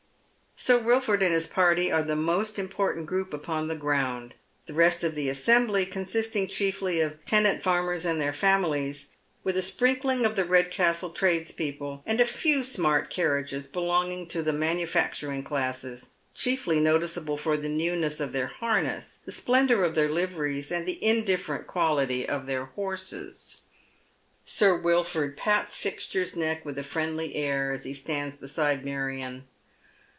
Sir Wiliord and his party are the most important group upon the ground, the rest of tlie assembly consisting chiefly of tenant farmers and their families, with a sprinkling of the Redcastle tradespeople, and a few smart carriages belonging to the manu facturing classes, chiefly noticeable for the nevs'ness of their harness, the splendour of their liveries, and the indilferent quality of their horses. Sir Wiliord pats Fixture's neck with a friendly air as lie stands beside Marion.